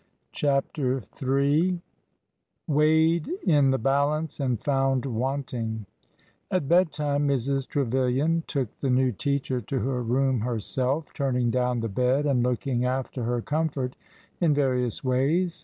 CHAPTER III WEIGHED IN THE BALANCE AND FOUND WANTING ' bedtime Mrs. Trevilian took the new teacher to AL her room herself, turning down the bed, and look ing after her comfort in various ways.